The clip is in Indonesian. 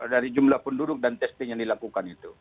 dari jumlah penduduk dan testing yang dilakukan itu